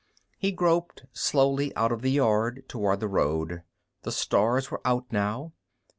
_ He groped slowly out of the yard, toward the road. The stars were out now.